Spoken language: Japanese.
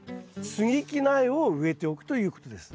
接ぎ木苗を植えておくということです。